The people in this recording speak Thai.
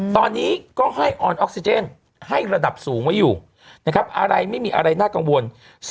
ตอนนี้ก็ให้ออนออกซิเจนให้ระดับสูงไว้อยู่นะครับอะไรไม่มีอะไรน่ากังวล